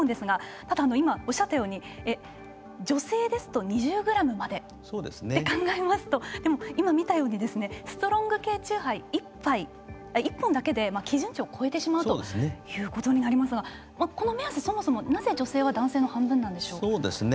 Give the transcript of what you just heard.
ただ、今おっしゃったように女性ですと２０グラムまでと考えますと今、見たようにストロング系酎ハイ１杯１本だけで基準値を超えてしまうということになりますがこの目安、そもそも女性は男性の半分なんでしょうか。